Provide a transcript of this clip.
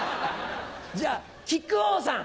じゃあ木久扇さん